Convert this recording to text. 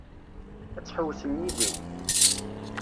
Ad tḥewwsem yid-i?